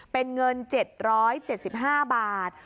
เป็นเงิน๗๗๕บาท